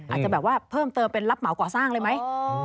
อาจจะแบบว่าเพิ่มเติมเป็นรับเหมาก่อสร้างเลยไหม